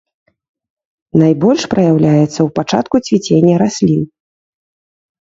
Найбольш праяўляецца ў пачатку цвіцення раслін.